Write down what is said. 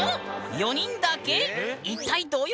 ４人だけ？